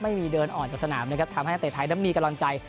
ที่เดินอ่อนจากสนามทำให้นักเตะไทยมีกรรณ์ใจ